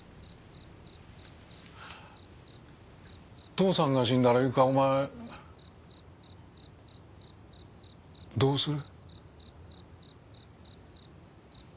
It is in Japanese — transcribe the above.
父さんが死んだら由香お前どうする？